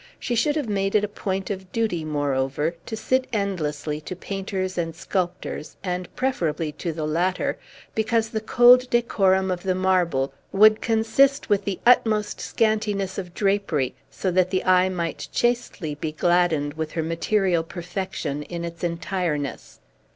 She should have made it a point of duty, moreover, to sit endlessly to painters and sculptors, and preferably to the latter; because the cold decorum of the marble would consist with the utmost scantiness of drapery, so that the eye might chastely be gladdened with her material perfection in its entireness.